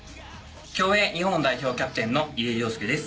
競泳日本代表キャプテンの入江陵介です。